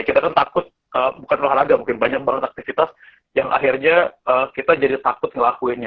kita tuh takut bukan olahraga mungkin banyak banget aktivitas yang akhirnya kita jadi takut ngelakuinnya